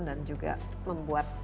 dan juga membuat